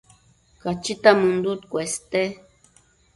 Cachita mënduc cueste